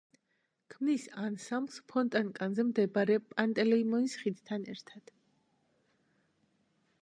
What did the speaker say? ქმნის ანსამბლს ფონტანკაზე მდებარე პანტელეიმონის ხიდთან ერთად.